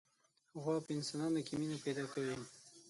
غوا په انسانانو کې مینه پیدا کوي.